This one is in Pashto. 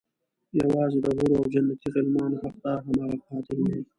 يوازې د حورو او جنتي غلمانو حقدار هماغه قاتل دی.